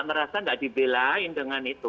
merasa tidak dibelain dengan itu